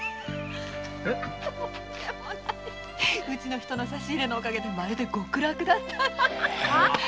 うちの人の差し入れのおかげでまるで極楽だったわよ。